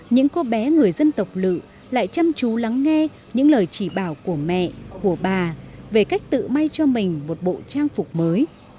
những cô bé người dân tộc lự lại chăm chú lắng nghe những lời chỉ bảo của mẹ của bà về cách tự may cho mình một bộ trang phục mới